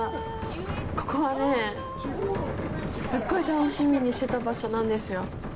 ここはねえ、すっごい楽しみにしてた場所なんですよ。